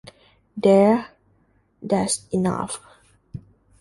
There: that’s enough.